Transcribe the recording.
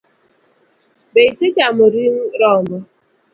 Be isechamo ring rombo?